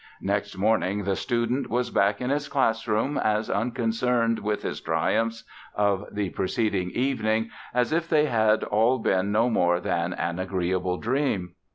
Next morning the student was back in his classroom, as unconcerned with his triumphs of the preceding evening as if they had all been no more than an agreeable dream.